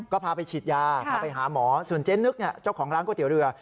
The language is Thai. ก็พาไปฉีดยาพาไปหาหมอส่วนเจ๊นึกเจ้าของร้านก๋วยเตี๋ยวเรือ